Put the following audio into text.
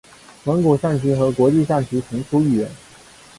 蒙古象棋和国际象棋同出一源。